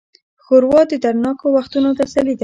ښوروا د دردناکو وختونو تسلي ده.